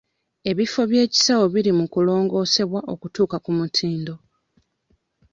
Ebifo by'ebyekisawo biri mu kulongoosebwa okutuuka ku mutindo.